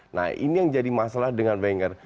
nah ini yang jadi masalah dengan banker